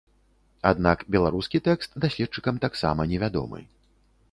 Аднак беларускі тэкст даследчыкам таксама невядомы.